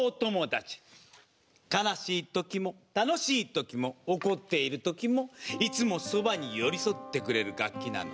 悲しい時も楽しい時も怒っている時もいつもそばに寄り添ってくれる楽器なの。